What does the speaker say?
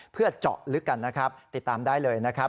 เพื่อเจาะลึกกันนะครับติดตามได้เลยนะครับ